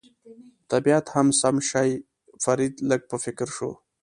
طبیعت هم سم شي، فرید لږ په فکر کې شو.